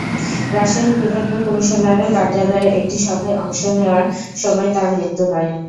রাজশাহী বিভাগীয় কমিশনারের কার্যালয়ে একটি সভায় অংশ নেওয়ার সময় তাঁর মৃত্যু হয়।